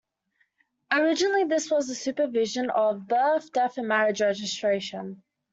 Originally, this was the supervision of birth, death and marriage registration.